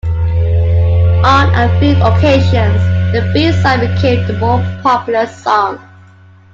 On a few occasions, the B-side became the more popular song.